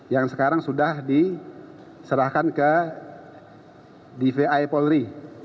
yang sekarang sudah diserahkan ke dvi polri